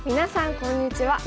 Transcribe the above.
こんにちは。